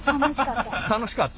楽しかった。